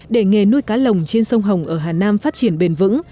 để nghề nuôi cá lồng trên sông hồng ở hà nam phát triển bền vững